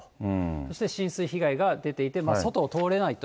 そして浸水被害が出ていて、外を通れないと。